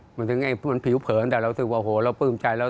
เหมือนถึงมันผิวเผินแต่เรารู้สึกว่าโหเราปลื้มใจแล้ว